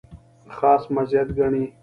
خاص مزیت ګڼي.